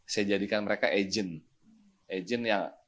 saya jadikan mereka agent